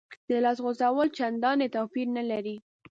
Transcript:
د لاس غوڅول چندانې توپیر نه لري.